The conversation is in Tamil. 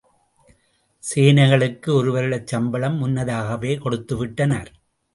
சேனைகளுக்கு ஒரு வருடச் சம்பளம் முன்னதாகவே கொடுத்து விட்டனர்.